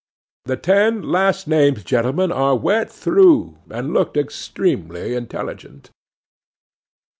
The ten last named gentlemen were wet through, and looked extremely intelligent.